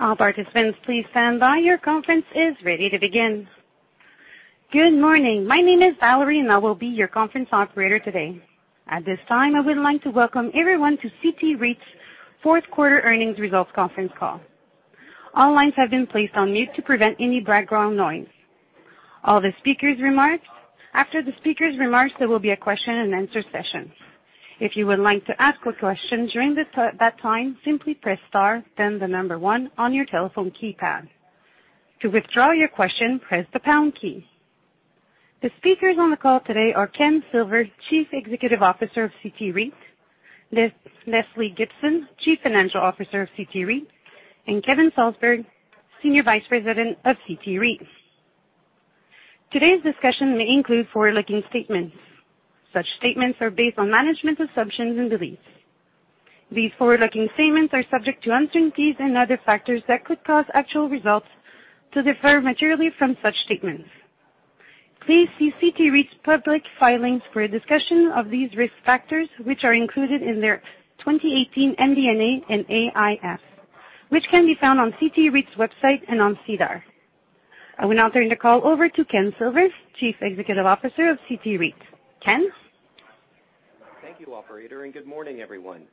All participants, please stand by. Your conference is ready to begin. Good morning. My name is Valerie, and I will be your conference operator today. At this time, I would like to welcome everyone to CT REIT's fourth quarter earnings results conference call. All lines have been placed on mute to prevent any background noise. After the speakers' remarks, there will be a question and answer session. If you would like to ask a question during that time, simply press star, then the number one on your telephone keypad. To withdraw your question, press the pound key. The speakers on the call today are Ken Silver, Chief Executive Officer of CT REIT. Lesley Gibson, Chief Financial Officer of CT REIT, and Kevin Salsberg, Senior Vice President of CT REIT. Today's discussion may include forward-looking statements. Such statements are based on management assumptions and beliefs. These forward-looking statements are subject to uncertainties and other factors that could cause actual results to differ materially from such statements. Please see CT REIT's public filings for a discussion of these risk factors, which are included in their 2018 MD&A and AIF, which can be found on CT REIT's website and on SEDAR. I will now turn the call over to Ken Silver, Chief Executive Officer of CT REIT. Ken? Thank you, operator. Good morning, everyone.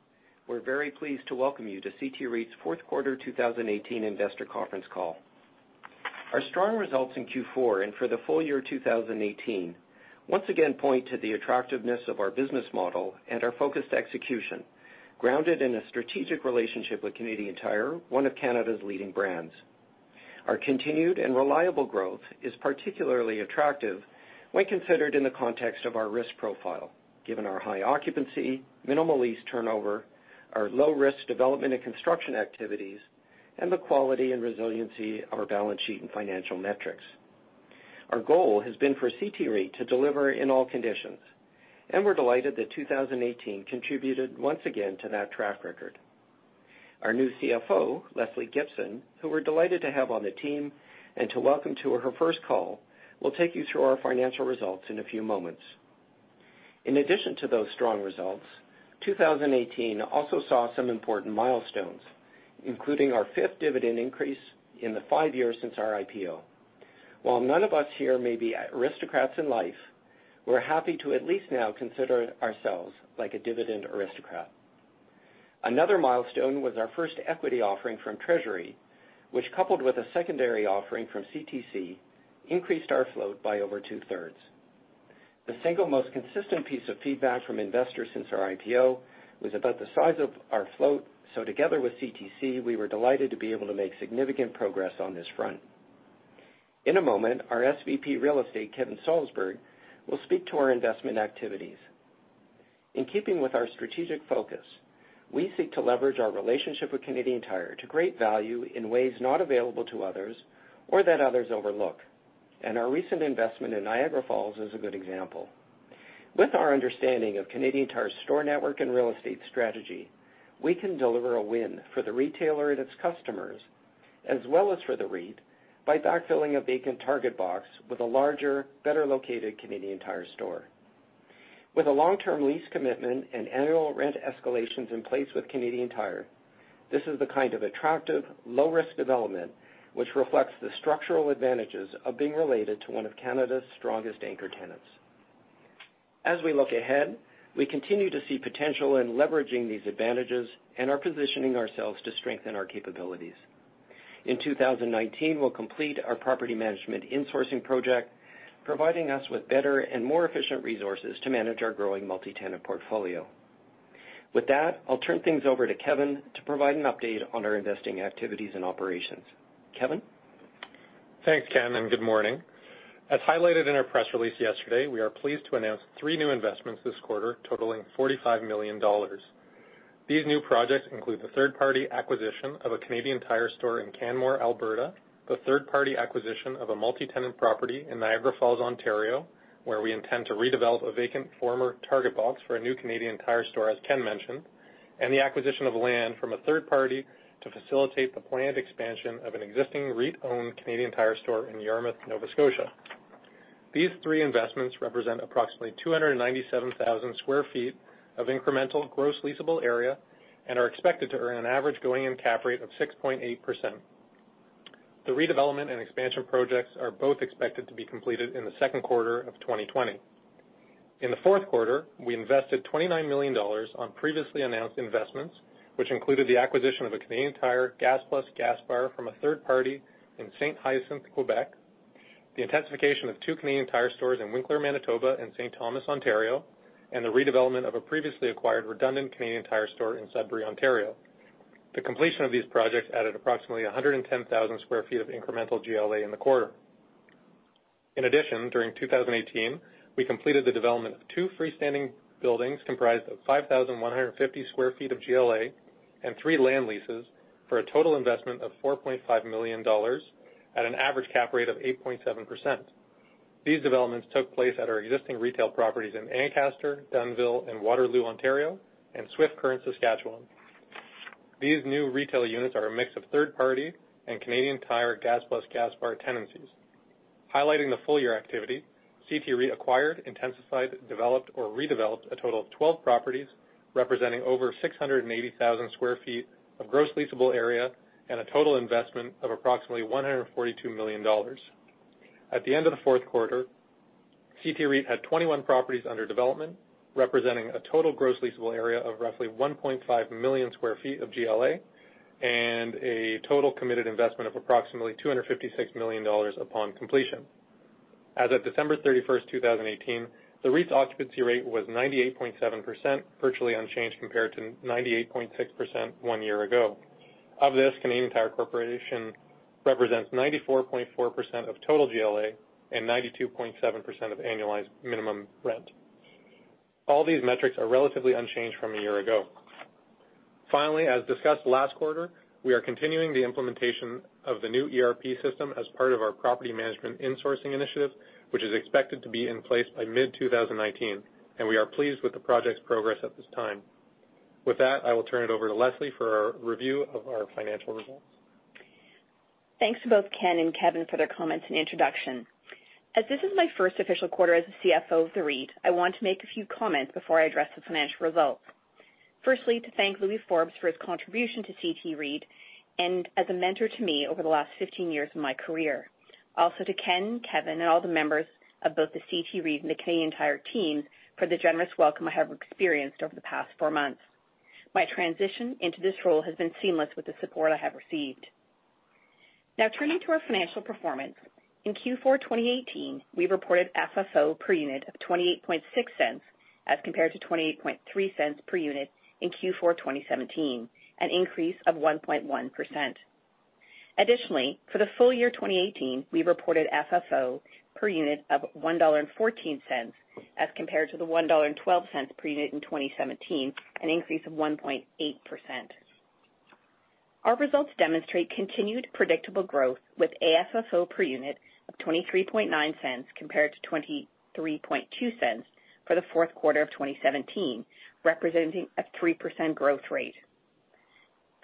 We're very pleased to welcome you to CT REIT's fourth quarter 2018 investor conference call. Our strong results in Q4 and for the full year 2018, once again point to the attractiveness of our business model and our focused execution, grounded in a strategic relationship with Canadian Tire, one of Canada's leading brands. Our continued and reliable growth is particularly attractive when considered in the context of our risk profile, given our high occupancy, minimal lease turnover, our low-risk development and construction activities, and the quality and resiliency of our balance sheet and financial metrics. Our goal has been for CT REIT to deliver in all conditions, and we're delighted that 2018 contributed once again to that track record. Our new CFO, Lesley Gibson, who we're delighted to have on the team and to welcome to her first call, will take you through our financial results in a few moments. In addition to those strong results, 2018 also saw some important milestones, including our fifth dividend increase in the five years since our IPO. While none of us here may be aristocrats in life, we're happy to at least now consider ourselves like a dividend aristocrat. Another milestone was our first equity offering from Treasury, which coupled with a secondary offering from CTC, increased our float by over two-thirds. Together with CTC, we were delighted to be able to make significant progress on this front. In a moment, our SVP Real Estate, Kevin Salsberg, will speak to our investment activities. In keeping with our strategic focus, we seek to leverage our relationship with Canadian Tire to great value in ways not available to others or that others overlook. Our recent investment in Niagara Falls is a good example. With our understanding of Canadian Tire's store network and real estate strategy, we can deliver a win for the retailer and its customers, as well as for the REIT, by backfilling a vacant Target box with a larger, better-located Canadian Tire store. With a long-term lease commitment and annual rent escalations in place with Canadian Tire, this is the kind of attractive low-risk development, which reflects the structural advantages of being related to one of Canada's strongest anchor tenants. As we look ahead, we continue to see potential in leveraging these advantages and are positioning ourselves to strengthen our capabilities. In 2019, we'll complete our property management insourcing project, providing us with better and more efficient resources to manage our growing multi-tenant portfolio. With that, I'll turn things over to Kevin to provide an update on our investing activities and operations. Kevin? Thanks, Ken, and good morning. As highlighted in our press release yesterday, we are pleased to announce three new investments this quarter totaling 45 million dollars. These new projects include the third-party acquisition of a Canadian Tire store in Canmore, Alberta, the third party acquisition of a multi-tenant property in Niagara Falls, Ontario, where we intend to redevelop a vacant former Target box for a new Canadian Tire store, as Ken mentioned. The acquisition of land from a third party to facilitate the planned expansion of an existing REIT-owned Canadian Tire store in Yarmouth, Nova Scotia. These three investments represent approximately 297,000 sq ft of incremental gross leasable area and are expected to earn an average going-in cap rate of 6.8%. The redevelopment and expansion projects are both expected to be completed in the second quarter of 2020. In the fourth quarter, we invested 29 million dollars on previously announced investments, which included the acquisition of a Canadian Tire Gas Plus gas bar from a third party in Saint-Hyacinthe, Quebec. The intensification of two Canadian Tire stores in Winkler, Manitoba and St. Thomas, Ontario, and the redevelopment of a previously acquired redundant Canadian Tire store in Sudbury, Ontario. The completion of these projects added approximately 110,000 sq ft of incremental GLA in the quarter. In addition, during 2018, we completed the development of two freestanding buildings comprised of 5,150 sq ft of GLA and three land leases for a total investment of 4.5 million dollars at an average cap rate of 8.7%. These developments took place at our existing retail properties in Ancaster, Dunnville, and Waterloo, Ontario, and Swift Current, Saskatchewan. These new retail units are a mix of third-party and Canadian Tire Gas Plus gas bar tenancies. Highlighting the full-year activity, CT REIT acquired, intensified, developed, or redeveloped a total of 12 properties, representing over 680,000 sq ft of gross leasable area and a total investment of approximately 142 million dollars. At the end of the fourth quarter, CT REIT had 21 properties under development, representing a total gross leasable area of roughly 1.5 million sq ft of GLA and a total committed investment of approximately 256 million dollars upon completion. As of December 31st, 2018, the REIT's occupancy rate was 98.7%, virtually unchanged compared to 98.6% one year ago. Of this, Canadian Tire Corporation represents 94.4% of total GLA and 92.7% of annualized minimum rent. All these metrics are relatively unchanged from a year ago. As discussed last quarter, we are continuing the implementation of the new ERP system as part of our property management insourcing initiative, which is expected to be in place by mid-2019, and we are pleased with the project's progress at this time. With that, I will turn it over to Lesley for a review of our financial results. Thanks to both Ken and Kevin for their comments and introduction. As this is my first official quarter as the CFO of the REIT, I want to make a few comments before I address the financial results. Firstly, to thank Louis Forbes for his contribution to CT REIT and as a mentor to me over the last 15 years of my career. Also, to Ken, Kevin, and all the members of both the CT REIT and the Canadian Tire team for the generous welcome I have experienced over the past four months. My transition into this role has been seamless with the support I have received. Now turning to our financial performance. In Q4 2018, we reported FFO per unit of 0.286 as compared to 0.283 per unit in Q4 2017, an increase of 1.1%. For the full year 2018, we reported FFO per unit of 1.14 dollar as compared to 1.12 dollar per unit in 2017, an increase of 1.8%. Our results demonstrate continued predictable growth with AFFO per unit of 0.239 compared to 0.232 for the fourth quarter of 2017, representing a 3% growth rate.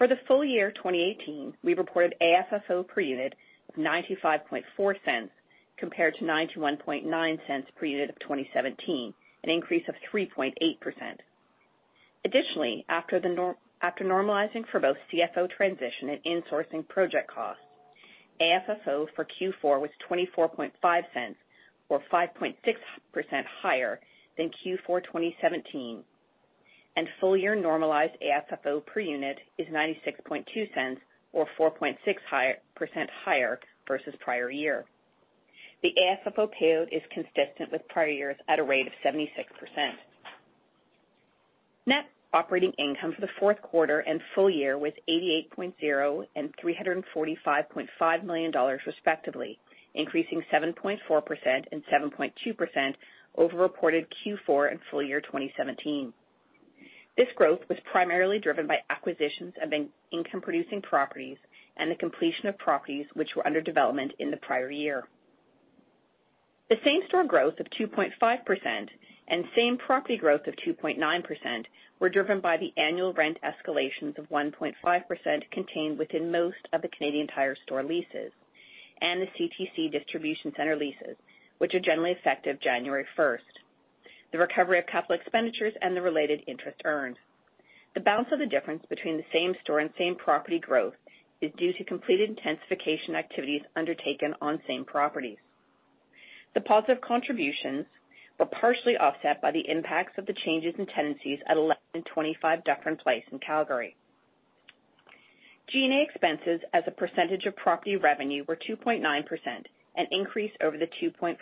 For the full year 2018, we reported AFFO per unit of 0.954 compared to 0.919 per unit of 2017, an increase of 3.8%. After normalizing for both CFO transition and insourcing project costs, AFFO for Q4 was 0.245 or 5.6% higher than Q4 2017, and full-year normalized AFFO per unit is 0.962 or 4.6% higher versus prior year. The AFFO payout is consistent with prior years at a rate of 76%. Net operating income for the fourth quarter and full year was 88.0 million and 345.5 million dollars, respectively, increasing 7.4% and 7.2% over reported Q4 and full-year 2017. This growth was primarily driven by acquisitions of income-producing properties and the completion of properties which were under development in the prior year. The same-store growth of 2.5% and same property growth of 2.9% were driven by the annual rent escalations of 1.5% contained within most of the Canadian Tire store leases and the CTC distribution center leases, which are generally effective January 1st, the recovery of capital expenditures, and the related interest earned. The balance of the difference between the same store and same property growth is due to completed intensification activities undertaken on same properties. The positive contributions were partially offset by the impacts of the changes in tenancies at 1125 Dufferin Place in Calgary. G&A expenses as a percentage of property revenue were 2.9%, an increase over the 2.4%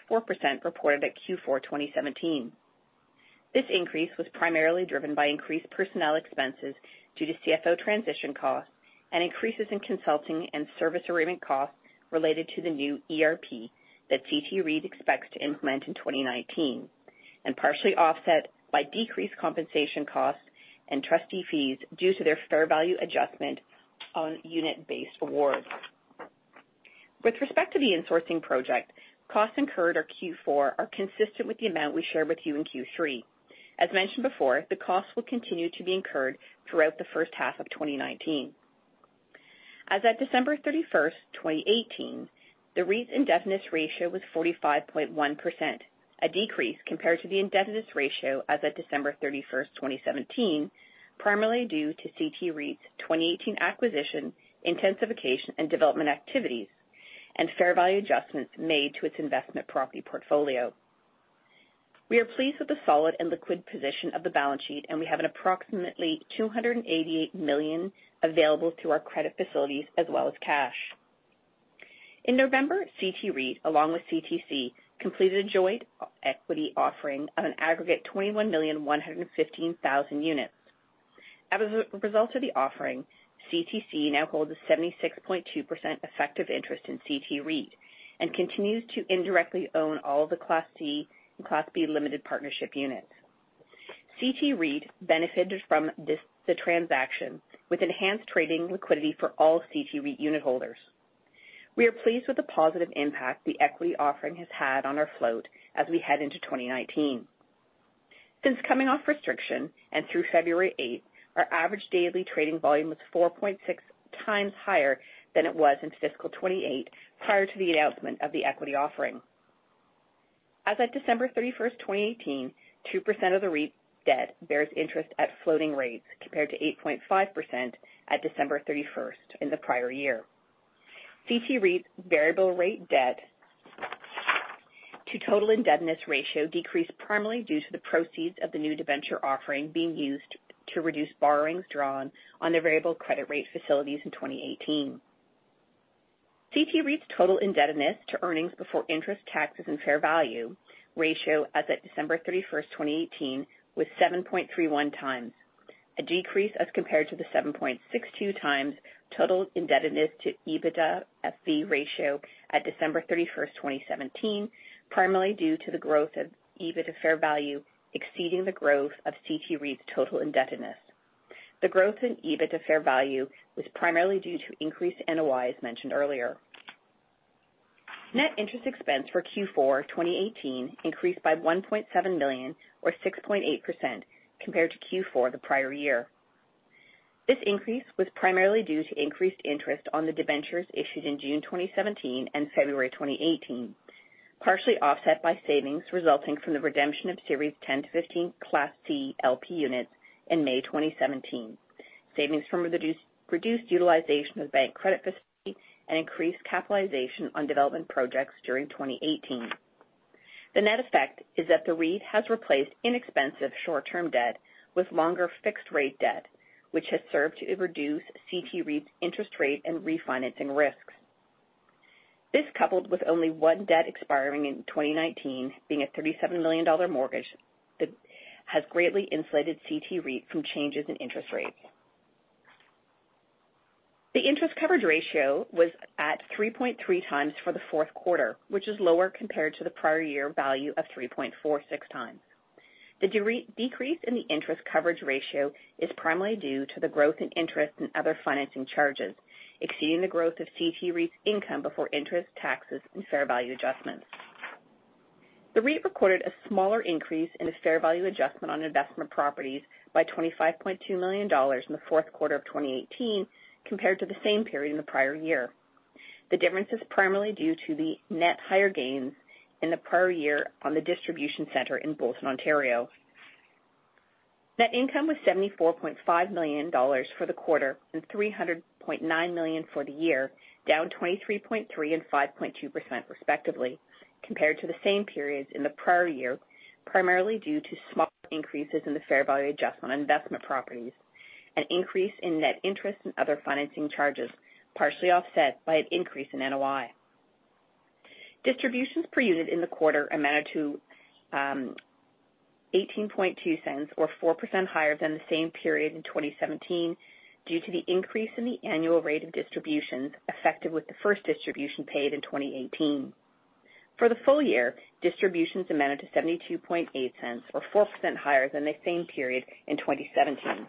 reported at Q4 2017. This increase was primarily driven by increased personnel expenses due to CFO transition costs and increases in consulting and service arrangement costs related to the new ERP that CT REIT expects to implement in 2019, and partially offset by decreased compensation costs and trustee fees due to their fair value adjustment on unit-based awards. With respect to the insourcing project, costs incurred for Q4 are consistent with the amount we shared with you in Q3. As mentioned before, the costs will continue to be incurred throughout the first half of 2019. As of December 31st, 2018, the REIT's indebtedness ratio was 45.1%, a decrease compared to the indebtedness ratio as of December 31st, 2017, primarily due to CT REIT's 2018 acquisition, intensification, and development activities, and fair value adjustments made to its investment property portfolio. We are pleased with the solid and liquid position of the balance sheet, and we have approximately 288 million available through our credit facilities as well as cash. In November, CT REIT, along with CTC, completed a joint equity offering of an aggregate 21,115,000 units. As a result of the offering, CTC now holds a 76.2% effective interest in CT REIT and continues to indirectly own all of the Class C and Class B limited partnership units. CT REIT benefited from the transaction with enhanced trading liquidity for all CT REIT unit holders. We are pleased with the positive impact the equity offering has had on our float as we head into 2019. Since coming off restriction and through February 8th, our average daily trading volume was 4.6 times higher than it was in fiscal 2018, prior to the announcement of the equity offering. As at December 31st, 2018, 2% of the REIT debt bears interest at floating rates compared to 8.5% at December 31st in the prior year. CT REIT's variable rate debt to total indebtedness ratio decreased primarily due to the proceeds of the new debenture offering being used to reduce borrowings drawn on the variable credit rate facilities in 2018. CT REIT's total indebtedness to earnings before interest, taxes, and fair value ratio as at December 31, 2018, was 7.31 times, a decrease as compared to the 7.62 times total indebtedness to EBITDA at the ratio at December 31, 2017, primarily due to the growth of EBITDA fair value exceeding the growth of CT REIT's total indebtedness. The growth in EBITDA fair value was primarily due to increased NOI, as mentioned earlier. Net interest expense for Q4 2018 increased by 1.7 million or 6.8% compared to Q4 the prior year. This increase was primarily due to increased interest on the debentures issued in June 2017 and February 2018, partially offset by savings resulting from the redemption of Series 10-15 Class C LP units in May 2017, savings from reduced utilization of the bank credit facility and increased capitalization on development projects during 2018. The net effect is that the REIT has replaced inexpensive short-term debt with longer fixed-rate debt, which has served to reduce CT REIT's interest rate and refinancing risks. This, coupled with only one debt expiring in 2019, being a 37 million dollar mortgage, has greatly insulated CT REIT from changes in interest rates. The interest coverage ratio was at 3.3x for the fourth quarter, which is lower compared to the prior year value of 3.46x. The decrease in the interest coverage ratio is primarily due to the growth in interest and other financing charges, exceeding the growth of CT REIT's income before interest, taxes, and fair value adjustments. The REIT recorded a smaller increase in its fair value adjustment on investment properties by 25.2 million dollars in the fourth quarter of 2018 compared to the same period in the prior year. The difference is primarily due to the net higher gains in the prior year on the distribution center in Bolton, Ontario. Net income was 74.5 million dollars for the quarter and 300.9 million for the year, down 23.3% and 5.2% respectively, compared to the same periods in the prior year, primarily due to small increases in the fair value adjustment on investment properties, an increase in net interest and other financing charges, partially offset by an increase in NOI. Distributions per unit in the quarter amounted to CAD 0.182 or 4% higher than the same period in 2017 due to the increase in the annual rate of distributions effective with the first distribution paid in 2018. For the full year, distributions amounted to 0.728 or 4% higher than the same period in 2017.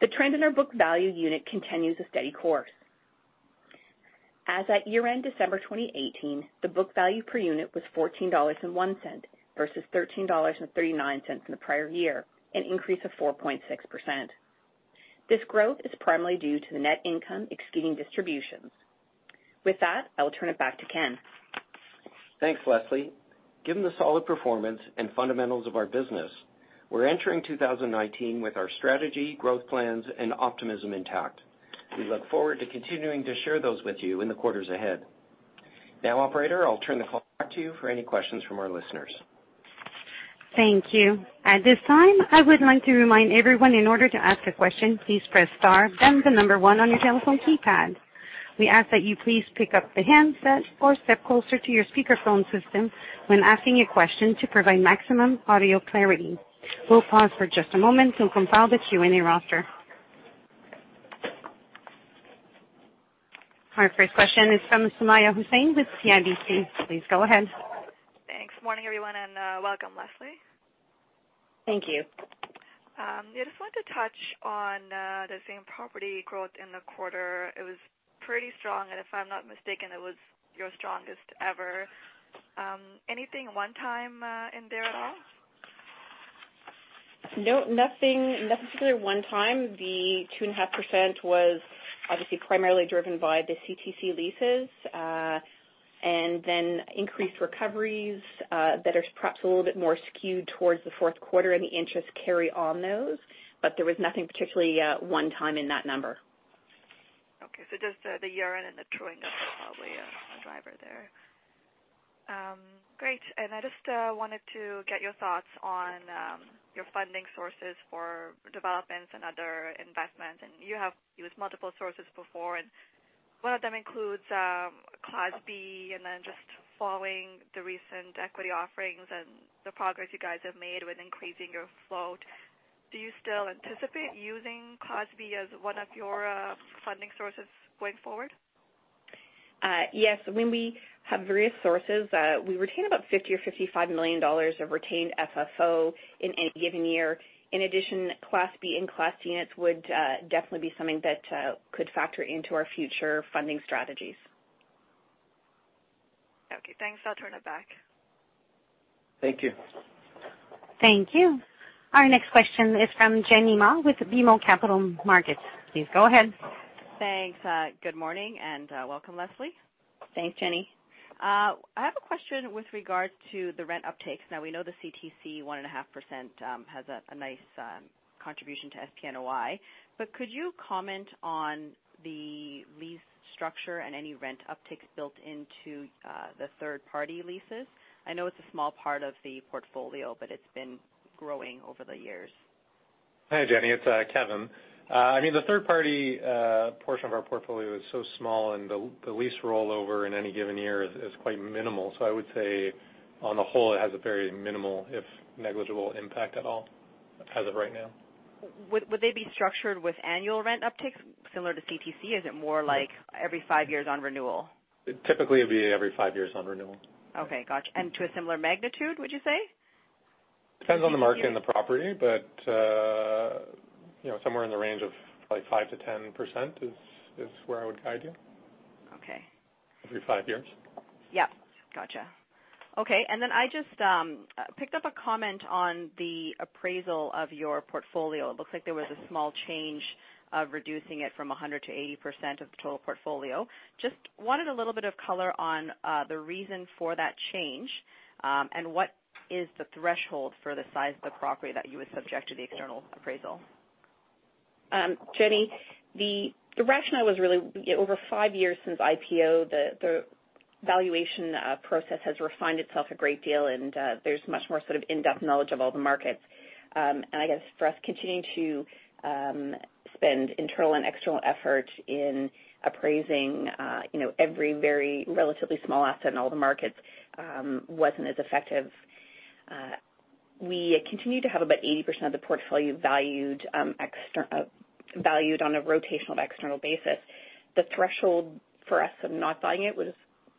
The trend in our book value unit continues a steady course. As at year-end December 2018, the book value per unit was 14.01 dollars versus 13.39 dollars in the prior year, an increase of 4.6%. This growth is primarily due to the net income exceeding distributions. With that, I'll turn it back to Ken. Thanks, Lesley. Given the solid performance and fundamentals of our business, we're entering 2019 with our strategy, growth plans, and optimism intact. We look forward to continuing to share those with you in the quarters ahead. Now, operator, I'll turn the call back to you for any questions from our listeners. Thank you. At this time, I would like to remind everyone in order to ask a question, please press star then the number 1 on your telephone keypad. We ask that you please pick up the handset or step closer to your speakerphone system when asking a question to provide maximum audio clarity. We'll pause for just a moment to compile the Q&A roster. Our first question is from Sumayya Syed with CIBC. Please go ahead. Thanks. Morning, everyone, welcome, Lesley. Thank you. I just wanted to touch on the same property growth in the quarter. It was pretty strong, and if I'm not mistaken, it was your strongest ever. Anything one time in there at all? No, nothing particularly one time. The 2.5% was obviously primarily driven by the CTC leases, and then increased recoveries that are perhaps a little bit more skewed towards the fourth quarter and the interest carry on those. There was nothing particularly one time in that number. Okay, just the year-end and the truing up are probably a driver there. Great. I just wanted to get your thoughts on your funding sources for developments and other investments. You have used multiple sources before, and one of them includes Class B and then just following the recent equity offerings and the progress you guys have made with increasing your float. Do you still anticipate using Class B as one of your funding sources going forward? Yes. When we have various sources, we retain about 50 million or 55 million dollars of retained FFO in any given year. In addition, Class B and Class units would definitely be something that could factor into our future funding strategies. Okay, thanks. I'll turn it back. Thank you. Thank you. Our next question is from Jenny Ma with BMO Capital Markets. Please go ahead. Thanks. Good morning, and welcome, Lesley. Thanks, Jenny. I have a question with regards to the rent uptakes. We know the CTC 1.5% has a nice contribution to SPNOI. Could you comment on the lease structure and any rent upticks built into the third-party leases? I know it's a small part of the portfolio, but it's been growing over the years. Hi, Jenny. It's Kevin. The third-party portion of our portfolio is so small, and the lease rollover in any given year is quite minimal. I would say, on the whole, it has a very minimal, if negligible, impact at all as of right now. Would they be structured with annual rent upticks similar to CTC? Is it more like every five years on renewal? Typically, it'd be every five years on renewal. Okay, gotcha. To a similar magnitude, would you say? Depends on the market and the property. Somewhere in the range of 5%-10% is where I would guide you. Okay. Every five years. Yep. Gotcha. Okay. I just picked up a comment on the appraisal of your portfolio. It looks like there was a small change of reducing it from 100%-80% of the total portfolio. Just wanted a little bit of color on the reason for that change. What is the threshold for the size of the property that you would subject to the external appraisal? Jenny, the rationale was really, over five years since IPO, the valuation process has refined itself a great deal, and there's much more sort of in-depth knowledge of all the markets. I guess for us, continuing to spend internal and external effort in appraising every very relatively small asset in all the markets wasn't as effective. We continue to have about 80% of the portfolio valued on a rotational external basis. The threshold for us of not buying it was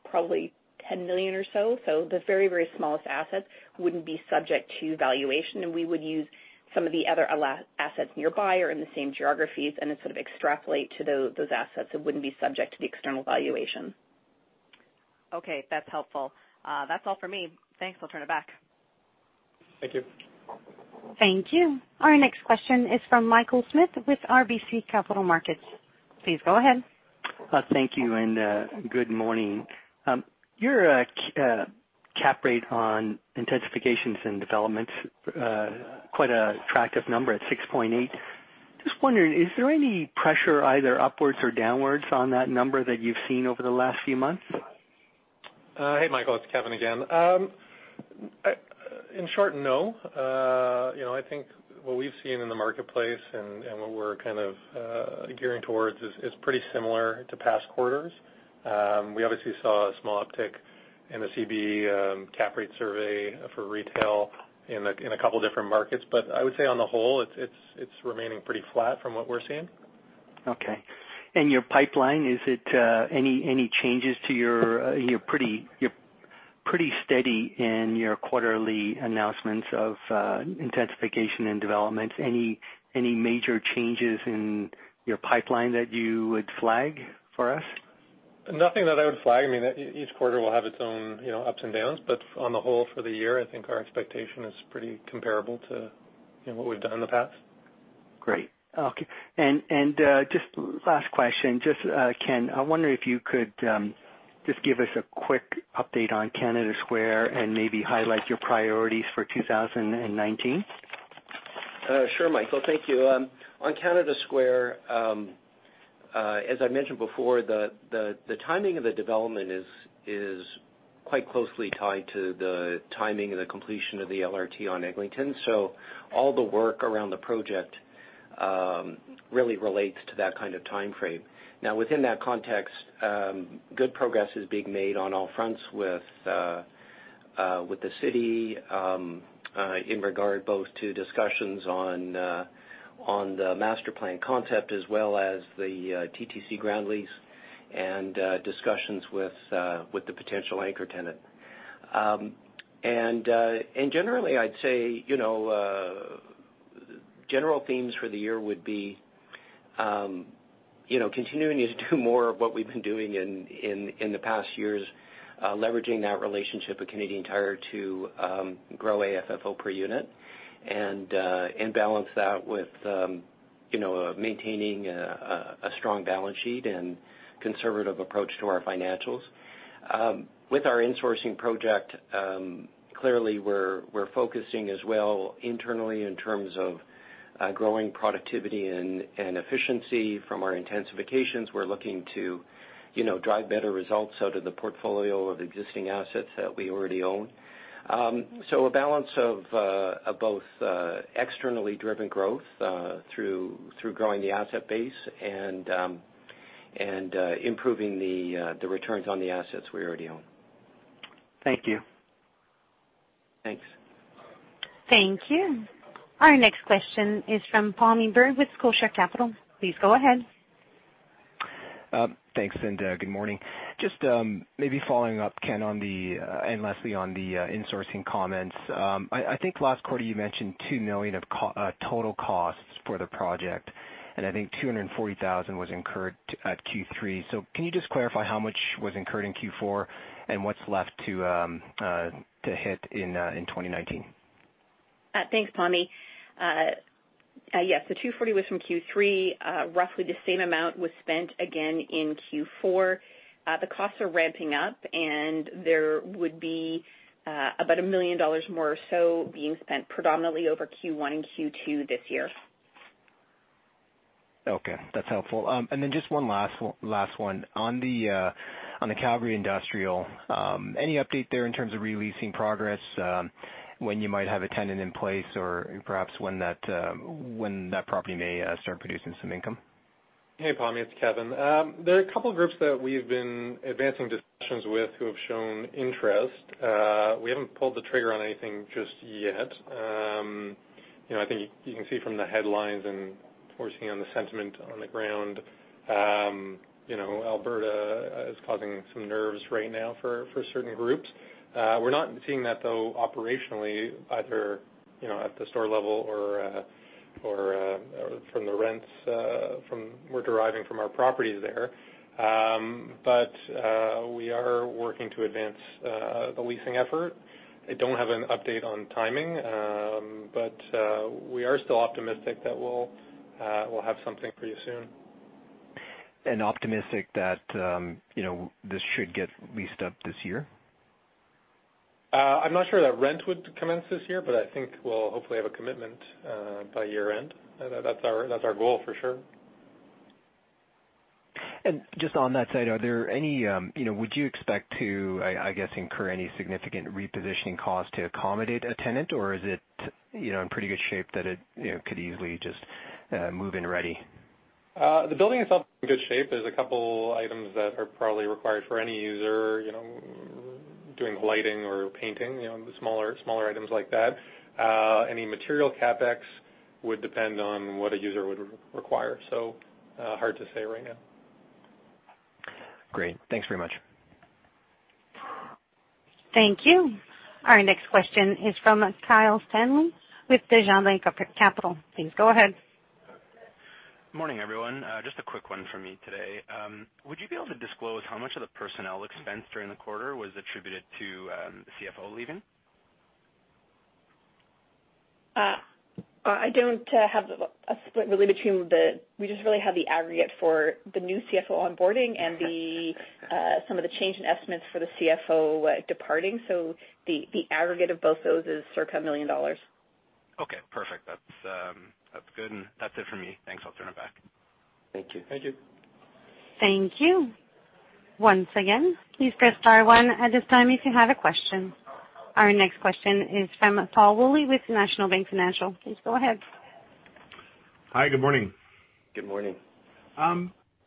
probably 10 million or so. The very, very smallest assets wouldn't be subject to valuation, and we would use some of the other assets nearby or in the same geographies and then sort of extrapolate to those assets that wouldn't be subject to the external valuation. Okay. That's helpful. That's all for me. Thanks. I'll turn it back. Thank you. Thank you. Our next question is from Michael Markidis with RBC Capital Markets. Please go ahead. Thank you, and good morning. Your cap rate on intensifications and developments, quite an attractive number at 6.8. Just wondering, is there any pressure, either upwards or downwards, on that number that you've seen over the last few months? Hey, Michael, it's Kevin again. In short, no. I think what we've seen in the marketplace and what we're kind of gearing towards is pretty similar to past quarters. We obviously saw a small uptick in the CBRE cap rate survey for retail in a couple different markets. I would say on the whole, it's remaining pretty flat from what we're seeing. Okay. Your pipeline, any changes to your You're pretty steady in your quarterly announcements of intensification and development. Any major changes in your pipeline that you would flag for us? Nothing that I would flag. Each quarter will have its own ups and downs. On the whole, for the year, I think our expectation is pretty comparable to what we've done in the past. Great. Okay. Just last question. Just, Ken, I wonder if you could just give us a quick update on Canada Square and maybe highlight your priorities for 2019. Sure, Michael. Thank you. On Canada Square, as I mentioned before, the timing of the development is quite closely tied to the timing of the completion of the LRT on Eglinton. All the work around the project really relates to that kind of timeframe. Within that context, good progress is being made on all fronts with the city in regard both to discussions on the master plan concept as well as the TTC ground lease and discussions with the potential anchor tenant. Generally, I'd say, general themes for the year would be continuing to do more of what we've been doing in the past years, leveraging that relationship with Canadian Tire to grow AFFO per unit, and balance that with maintaining a strong balance sheet and conservative approach to our financials. With our insourcing project, clearly, we're focusing as well internally in terms of growing productivity and efficiency from our intensifications. We're looking to drive better results out of the portfolio of existing assets that we already own. A balance of both externally driven growth through growing the asset base and improving the returns on the assets we already own. Thank you. Thanks. Thank you. Our next question is from Pammi Bir with Scotiabank. Please go ahead. Thanks, and good morning. Just maybe following up, Ken and Lesley, on the insourcing comments. I think last quarter, you mentioned 2 million of total costs for the project, and I think 240,000 was incurred at Q3. Can you just clarify how much was incurred in Q4 and what's left to hit in 2019? Thanks, Pammi. Yes, the 240,000 was from Q3. Roughly the same amount was spent again in Q4. The costs are ramping up, and there would be about 1 million dollars more or so being spent predominantly over Q1 and Q2 this year. Okay, that's helpful. Just one last one. On the Calgary industrial, any update there in terms of re-leasing progress, when you might have a tenant in place or perhaps when that property may start producing some income? Hey, Pammi, it's Kevin. There are a couple of groups that we've been advancing discussions with who have shown interest. We haven't pulled the trigger on anything just yet. I think you can see from the headlines and we're seeing on the sentiment on the ground, Alberta is causing some nerves right now for certain groups. We're not seeing that, though, operationally either, at the store level or from the rents we're deriving from our properties there. We are working to advance the leasing effort. I don't have an update on timing. We are still optimistic that we'll have something for you soon. Optimistic that this should get leased up this year? I'm not sure that rent would commence this year, but I think we'll hopefully have a commitment by year-end. That's our goal for sure. Just on that side, would you expect to, I guess, incur any significant repositioning costs to accommodate a tenant, or is it in pretty good shape that it could easily just move-in ready? The building itself is in good shape. There's a couple items that are probably required for any user, doing lighting or painting, the smaller items like that. Any material CapEx would depend on what a user would require. Hard to say right now. Great. Thanks very much. Thank you. Our next question is from Kyle Stanley with Desjardins Capital. Please go ahead. Morning, everyone. Just a quick one from me today. Would you be able to disclose how much of the personnel expense during the quarter was attributed to the CFO leaving? I don't have a split really between. We just really have the aggregate for the new CFO onboarding and some of the change in estimates for the CFO departing. The aggregate of both those is circa 1 million dollars. Okay, perfect. That's good. That's it for me. Thanks. I'll turn it back. Thank you. Thank you. Once again, please press star one at this time if you have a question. Our next question is from Tal Woolley with National Bank Financial. Please go ahead. Hi. Good morning. Good morning.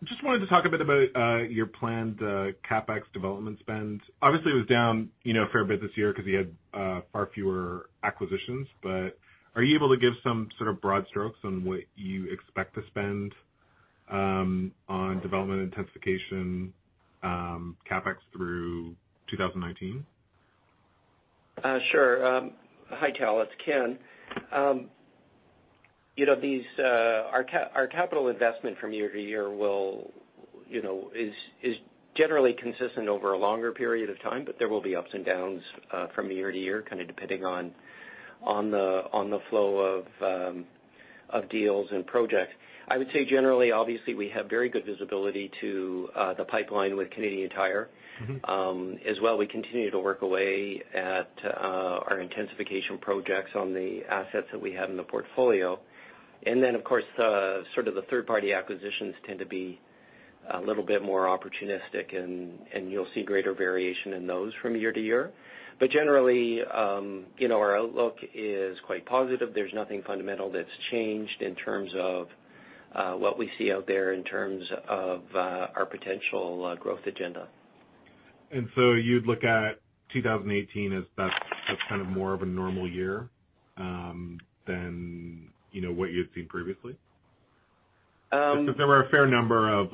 Just wanted to talk a bit about your planned CapEx development spend. Obviously, it was down a fair bit this year because you had far fewer acquisitions. Are you able to give some sort of broad strokes on what you expect to spend on development intensification CapEx through 2019? Sure. Hi, Tal, it's Ken. Our capital investment from year to year is generally consistent over a longer period of time, but there will be ups and downs from year to year, kind of depending on the flow of deals and projects. I would say generally, obviously, we have very good visibility to the pipeline with Canadian Tire. We continue to work away at our intensification projects on the assets that we have in the portfolio. Of course, sort of the third-party acquisitions tend to be a little bit more opportunistic and you'll see greater variation in those from year to year. Generally, our outlook is quite positive. There's nothing fundamental that's changed in terms of what we see out there in terms of our potential growth agenda. You'd look at 2018 as that's kind of more of a normal year than what you had seen previously? Because there were a fair number of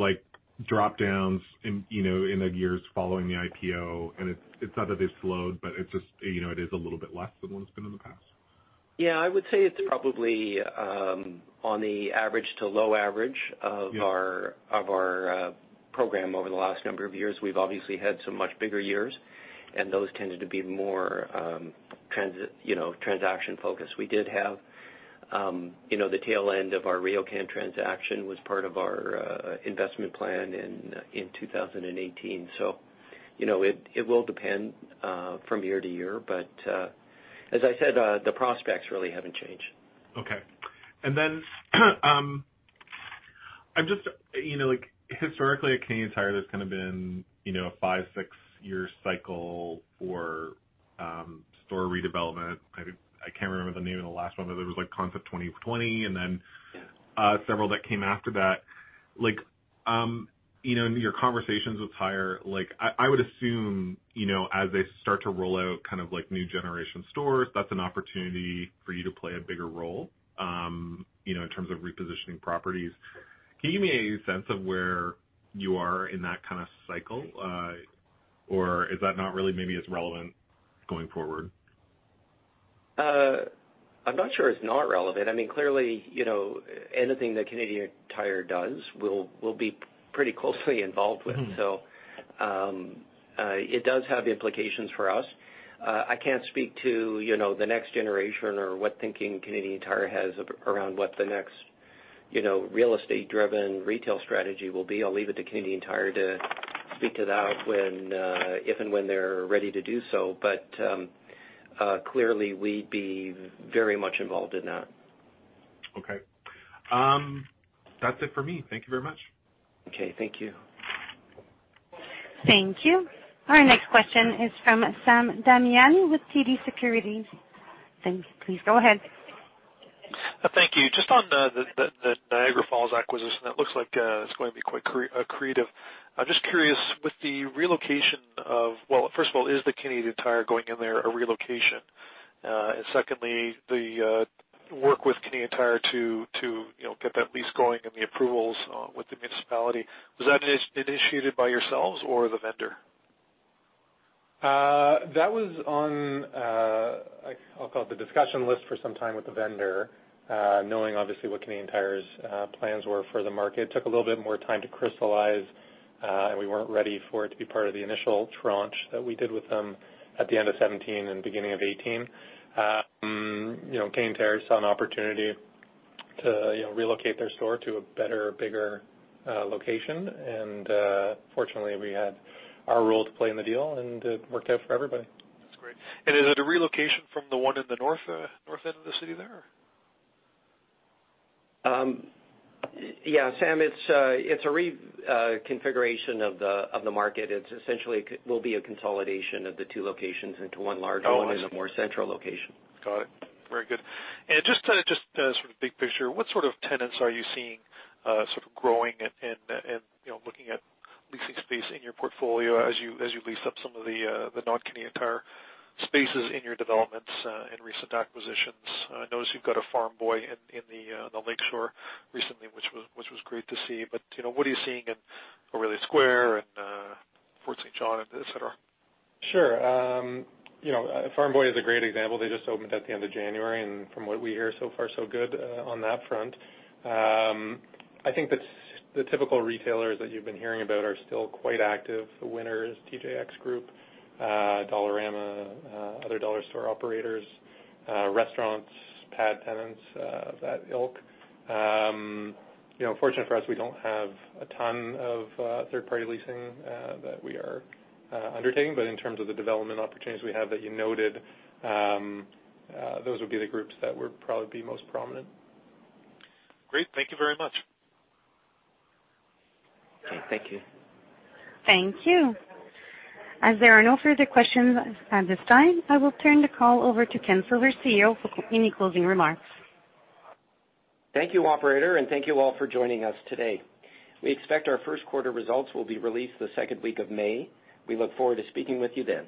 drop-downs in the years following the IPO, and it's not that it slowed, but it is a little bit less than what it's been in the past. Yeah, I would say it's probably on the average to low average of our program over the last number of years. We've obviously had some much bigger years, and those tended to be more transaction-focused. We did have the tail end of our RioCan transaction was part of our investment plan in 2018. It will depend from year to year. As I said, the prospects really haven't changed. Okay. Historically at Canadian Tire, there's kind of been a five, six-year cycle for store redevelopment. I can't remember the name of the last one, but there was Concept 2020 and then several that came after that. In your conversations with Tire, I would assume, as they start to roll out kind of new generation stores, that's an opportunity for you to play a bigger role, in terms of repositioning properties. Can you give me a sense of where you are in that kind of cycle? Or is that not really maybe as relevant going forward? I'm not sure it's not relevant. I mean, clearly, anything that Canadian Tire does, we'll be pretty closely involved with. It does have implications for us. I can't speak to the next generation or what thinking Canadian Tire has around what the next real estate-driven retail strategy will be. I'll leave it to Canadian Tire to speak to that if and when they're ready to do so. Clearly, we'd be very much involved in that. Okay. That's it for me. Thank you very much. Okay. Thank you. Thank you. Our next question is from Sam Damiani with TD Securities. Sam, please go ahead. Thank you. Just on the Niagara Falls acquisition, that looks like it's going to be quite creative. I'm just curious, with the relocation of Well, first of all, is the Canadian Tire going in there a relocation? And secondly, the work with Canadian Tire to get that lease going and the approvals with the municipality, was that initiated by yourselves or the vendor? That was on, I'll call it the discussion list for some time with the vendor, knowing, obviously, what Canadian Tire's plans were for the market. It took a little bit more time to crystallize, and we weren't ready for it to be part of the initial tranche that we did with them at the end of 2017 and beginning of 2018. Canadian Tire saw an opportunity to relocate their store to a better, bigger location. Fortunately, we had our role to play in the deal, and it worked out for everybody. That's great. Is it a relocation from the one in the north end of the city there? Yeah. Sam, it's a reconfiguration of the market. It essentially will be a consolidation of the two locations into one large one. Oh, I see. In a more central location. Got it. Very good. Just sort of big picture, what sort of tenants are you seeing sort of growing and looking at leasing space in your portfolio as you lease up some of the non-Canadian Tire spaces in your developments and recent acquisitions? I notice you've got a Farm Boy in the Lakeshore recently, which was great to see. What are you seeing in Orillia Square and Fort St. John, et cetera? Sure. Farm Boy is a great example. They just opened at the end of January, From what we hear, so far, so good on that front. I think the typical retailers that you've been hearing about are still quite active. The Winners, TJX group, Dollarama, other dollar store operators, restaurants, pad tenants of that ilk. Fortunately for us, we don't have a ton of third-party leasing that we are undertaking. In terms of the development opportunities we have that you noted, those would be the groups that would probably be most prominent. Great. Thank you very much. Okay. Thank you. Thank you. As there are no further questions at this time, I will turn the call over to Ken Silver, CEO, for any closing remarks. Thank you, operator, and thank you all for joining us today. We expect our first-quarter results will be released the second week of May. We look forward to speaking with you then.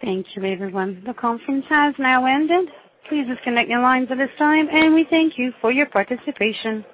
Thank you, everyone. The conference has now ended. Please disconnect your lines at this time, and we thank you for your participation.